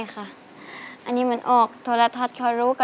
ก็นิดน้อยค่ะ